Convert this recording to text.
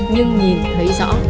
nhưng nhìn thấy rõ